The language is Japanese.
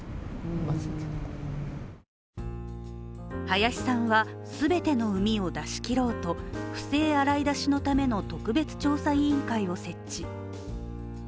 林さんは全てのうみを出し切ろうと不正洗い出しのための特別調査委員会を設置。